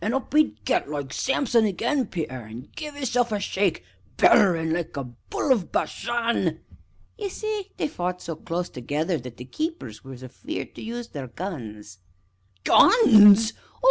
An' up 'e'd get, like Samson again, Peter, an' give 'isself a shake; bellerin' like a bull o' Bashan SIMON. Ye see, they fou't so close together that the keepers was afear'd to use their guns ANCIENT (indignantly).